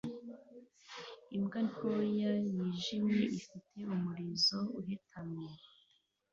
Imbwa ntoya yijimye ifite umurizo uhetamye